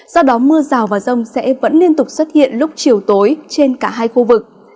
do đó mưa rào và rông sẽ vẫn liên tục xuất hiện lúc chiều tối trên cả hai khu vực